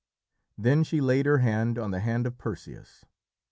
Then she laid her hand on the hand of Perseus.